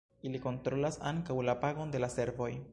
Ili kontrolas ankaŭ la pagon de la servoj.